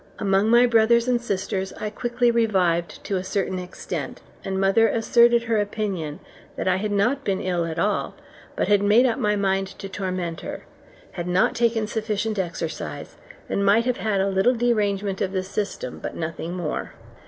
Among my brothers and sisters I quickly revived to a certain extent, and mother asserted her opinion that I had not been ill at all, but had made up my mind to torment her; had not taken sufficient exercise, and might have had a little derangement of the system but nothing more.